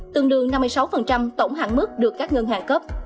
tương đương năm mươi sáu tổng hạn mức được các ngân hàng cấp